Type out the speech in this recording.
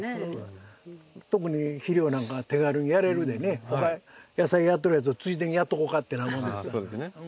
特に肥料なんかは手軽にやれるでねほか野菜やっとるやつをついでにやっとこうかって。